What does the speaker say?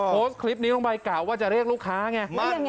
โค้สคลิปนี้บ่อยก่าวว่าจะเรียกลูกค้าไง